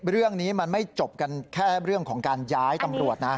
เรื่องนี้มันไม่จบกันแค่เรื่องของการย้ายตำรวจนะ